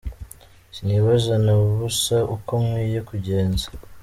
Sinibaze na busa uko nkwiye kugenza.